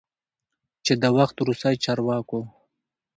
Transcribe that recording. چې د وخت روسی چارواکو،